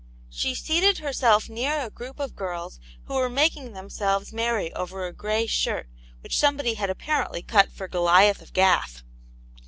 She seated herself near a group of girls who were making them selves merry over a grey shirt, which somebody had apparently cut for Goliath of Gath.